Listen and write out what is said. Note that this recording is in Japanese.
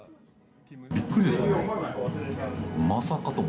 びっくりですよね。